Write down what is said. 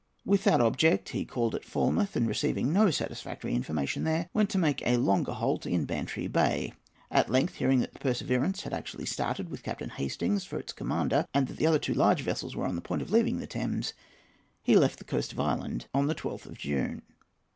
With that object he called at Falmouth, and, receiving no satisfactory information there, went to make a longer halt in Bantry Bay. At length, hearing that the Perseverance had actually started, with Captain Hastings for its commander, and that the other two large vessels were on the point of leaving the Thames, he left the coast of Ireland on the 12th of June.